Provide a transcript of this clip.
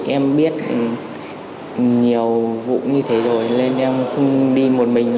em biết nhiều vụ như thế rồi lên em không đi một mình